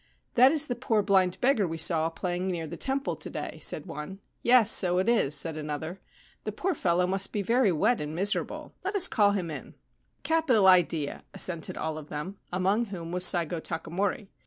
< That is the poor blind beggar we saw playing near the temple to day/ said one. ' Yes : so it is,' said another. * The poor fellow must be very wet and miserable. Let us call him in.' c A capital idea,' assented all of them, among whom was Saigo Takamori.